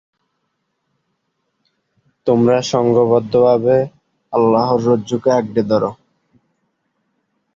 আমি ঠিক জানিনা সে আসবে কি না।